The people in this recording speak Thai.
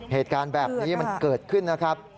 เหตุการณ์แบบนี้มันเกิดขึ้นนะครับ